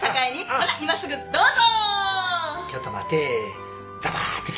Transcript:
ほんなら今すぐどうぞ！